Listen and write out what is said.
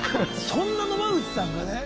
そんな野間口さんがね